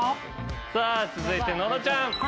さあ続いて野呂ちゃん。